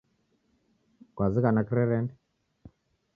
Kwazighana kirerende?